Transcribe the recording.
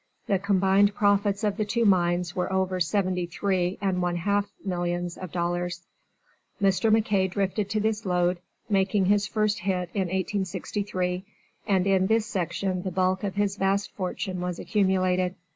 The combined profits of the two mines were over seventy three and one half millions of dollars. Mr. MacKay drifted to this lode, making his first 'hit' in 1863, and in this section the bulk of his vast fortune was accumulated.